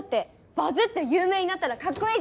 バズって有名になったらカッコいいじゃん。